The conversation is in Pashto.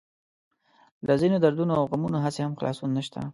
له ځينو دردونو او غمونو هسې هم خلاصون نشته.